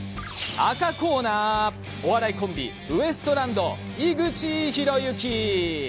赤コーナー、お笑いコンビウエストランド、井口浩之。